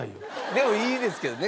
でもいいですけどね